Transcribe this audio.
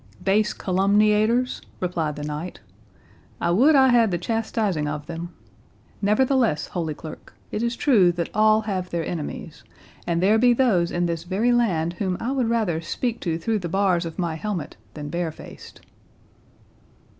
"Base calumniators!" replied the knight; "I would I had the chastising of them. Nevertheless, Holy Clerk, it is true that all have their enemies; and there be those in this very land whom I would rather speak to through the bars of my helmet than barefaced."